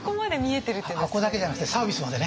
箱だけじゃなくてサービスまでね。